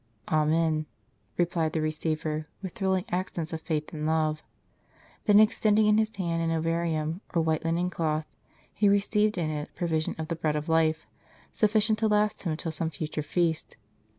"Amen," replied the receiver, with thrilling accents of faith and love. Then extending in his hand an ovarium, or white linen cloth, he received in it a provision of the Bread of Life, sufficient to last him till some future feast.